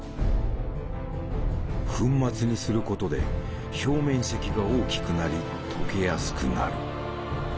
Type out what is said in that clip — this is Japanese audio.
粉末にすることで表面積が大きくなり溶けやすくなる。